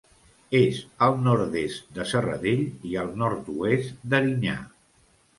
És al nord-est de Serradell i al nord-oest d'Erinyà.